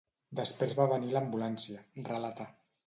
Després va venir l’ambulància, relata.